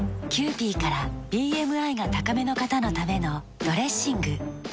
キユーピーからＢＭＩが高めの方のためのドレッシング。